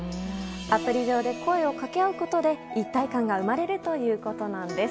アプリ上で声をかけ合うことで一体感が生まれるということです。